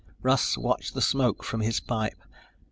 Russ watched the smoke from his pipe.